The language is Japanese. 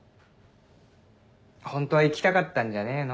ホントは行きたかったんじゃねえの？